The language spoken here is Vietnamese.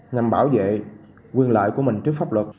nhằm bảo vệ quyền lợi của mình trước pháp luật